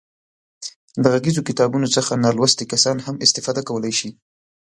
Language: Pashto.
د غږیزو کتابونو څخه نالوستي کسان هم استفاده کولای شي.